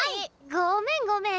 ごめんごめん！